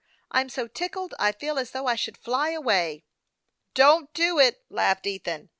I'm so tickled, I feel as though I should fly away." " Don't do it," laughed Ethan.